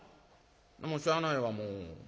もうしゃあないわもう。